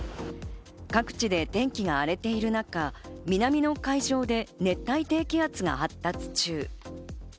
各地で天気が荒れている中、南の海上で熱帯低気圧が発達中。